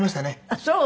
あっそう？